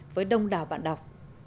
với đông đảo bạn đọc